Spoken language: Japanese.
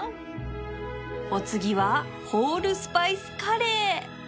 お次はホールスパイスカレー！